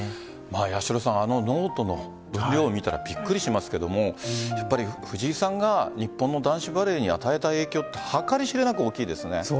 八代さん、ノートの量を見たらびっくりしますけど藤井さんが日本の男子バレーに与えた影響って計り知れなく、大きいですね。